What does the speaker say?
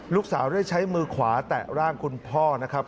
ลูกสาวได้ใช้มือขวาแตะร่างคุณพ่อนะครับ